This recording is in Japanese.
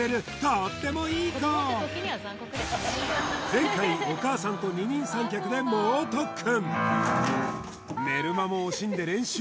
前回お母さんと二人三脚で猛特訓